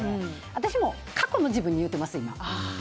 私も過去の自分に言ってます。